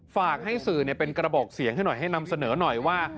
ฝากให้สื่อเป็นกระบอกเสียงให้หน่อยให้นำเสนอหน่อยว่า